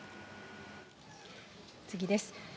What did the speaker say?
次です。